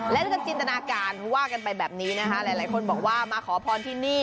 และด้วยการจินตนาการเขาว่ากันไปแบบนี้นะคะหลายคนบอกว่ามาขอพรที่นี่